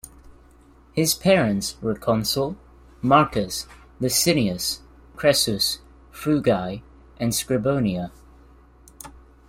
His parents were consul Marcus Licinius Crassus Frugi and Scribonia.